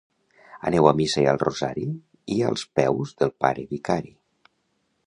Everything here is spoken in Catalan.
Aneu a missa i al rosari i als peus del pare vicari.